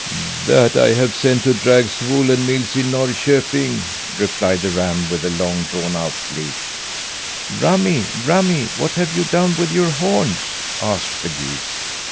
"That I have sent to Drag's woollen mills in Norrköping," replied the ram with a long, drawn out bleat. "Rammie, rammie, what have you done with your horns?" asked the geese.